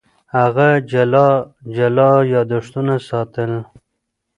هغه جلا جلا یادښتونه ساتل.